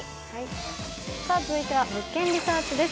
続いては「物件リサーチ」です。